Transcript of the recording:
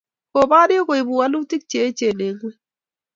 Borie ko kiibu wolutik che echeen eng ng'ony.